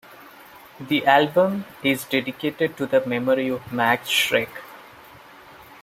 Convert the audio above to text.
The album is dedicated to the memory of Max Schreck.